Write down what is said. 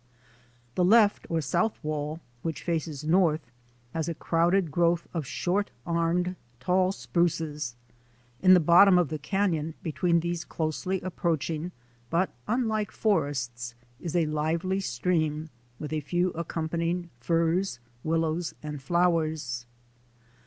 The left or south wall, which faces north, has a crowded growth of short armed, tall spruces. In the bot tom of the canon between these closely approach ing, but unlike forests is a lively stream with a few accompanying firs, willows, and flowers.